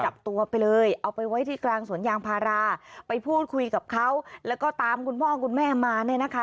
จับตัวไปเลยเอาไปไว้ที่กลางสวนยางพาราไปพูดคุยกับเขาแล้วก็ตามคุณพ่อคุณแม่มาเนี่ยนะคะ